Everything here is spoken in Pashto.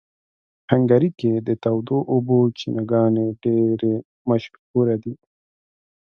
هنګري کې د تودو اوبو چینهګانې ډېرې مشهوره دي.